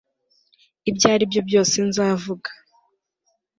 ibyo aribyo byose nzavuga